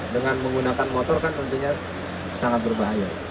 dengan menggunakan motor sangat berbahaya